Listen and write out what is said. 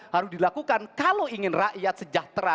harus dilakukan kalau ingin rakyat sejahtera